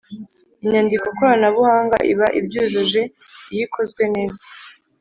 inyandiko koranabuhanga iba ibyujuje iyo ikozwe neza